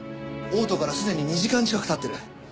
嘔吐からすでに２時間近く経ってる。